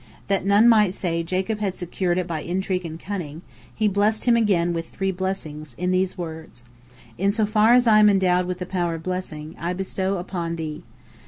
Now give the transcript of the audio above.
That none might say Jacob had secured it by intrigue and cunning, he blessed him again with three blessings, in these words, "In so far as I am endowed with the power of blessing, I bestow blessing upon thee.